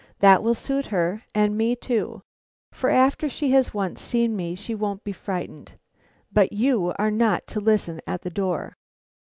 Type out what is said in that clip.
That will suit her and me too; for after she has once seen me, she won't be frightened. _But you are not to listen at the door.